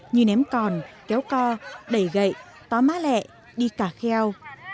như ném còn kéo co đẩy gậy tó má lẹ đi cả kheo